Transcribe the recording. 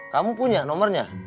kamu punya nomernya